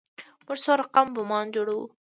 موږ څو رقم بمان جوړوو.